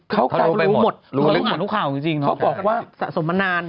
เขาเขารู้ไปหมดรู้หมดรู้ข่าวจริงจริงเขาบอกว่าสะสมมานานด้วย